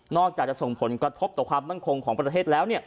อกจากจะส่งผลกระทบต่อความมั่นคงของประเทศแล้ว